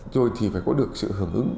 rồi thì phải có được sự hưởng ứng